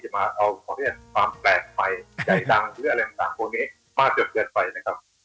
มากเกือบเกือบไปนะครับ